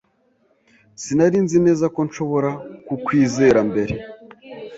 Sinari nzi neza ko nshobora kukwizera mbere.